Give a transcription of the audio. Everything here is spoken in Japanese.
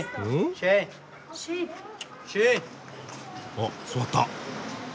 あ座った。